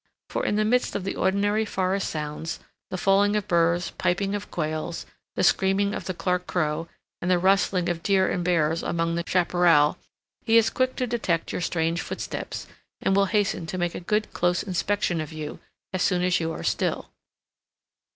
For, in the midst of the ordinary forest sounds, the falling of burs, piping of quails, the screaming of the Clark Crow, and the rustling of deer and bears among the chaparral, he is quick to detect your strange footsteps, and will hasten to make a good, close inspection of you as soon as you are still.